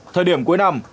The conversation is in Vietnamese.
thời điểm cuối năm